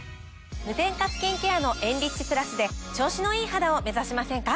無添加スキンケアのエンリッチプラスで調子のいい肌を目指しませんか？